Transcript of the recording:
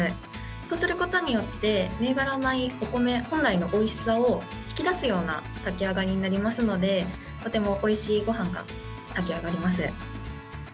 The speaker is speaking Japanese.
そうすることによって、銘柄米、お米本来のおいしさを引き出すような炊きあがりになりますので、とてもおいしいごはんが炊き上がります。